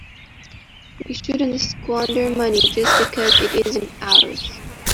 We shouldn't squander money just because it isn't ours.